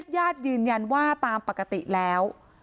ญาติยืนยันว่าตามปกติแล้ว